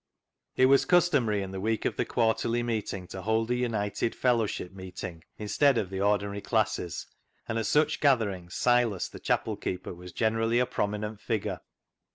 It was customary in the week of the Quar terly Meeting to hold a united fellowship meet ing instead of the ordinary classes, and at such gatherings Silas, the chapel keeper, was generally a prominent figure.